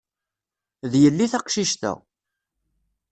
D yelli teqcict-a.